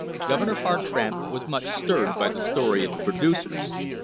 Governor Hartranft was much stirred by the story of the producers.